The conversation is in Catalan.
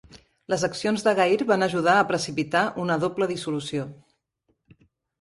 Les accions de Gair van ajudar a precipitar una doble dissolució.